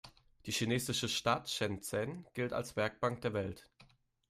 Die chinesische Stadt Shenzhen gilt als „Werkbank der Welt“.